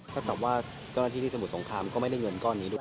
กับว่าเจ้าหน้าที่ที่สมุทรสงครามก็ไม่ได้เงินก้อนนี้ด้วย